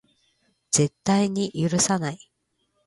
絶対に許さない